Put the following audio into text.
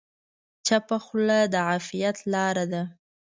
چپه خوله، د عافیت لاره ده.